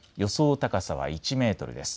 高さは１メートルです。